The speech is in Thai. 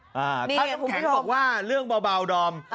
ถ้าน้ำแข็งบอกว่าเรื่องเบาดอม